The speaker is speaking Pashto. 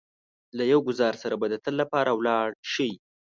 له يو ګوزار سره به د تل لپاره ولاړ شئ.